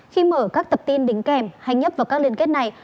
khi mở các tập tin đính kèm hay nhấp vào các liên kết này